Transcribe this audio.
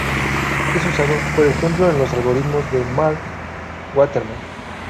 Es usado, por ejemplo, en los algoritmos de Marc Waterman.